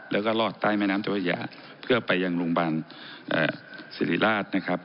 แล้วก็รอดใต้แม่น้ำเจ้าพระยาเพื่อไปยังโรงพยาบาลสิริราชนะครับ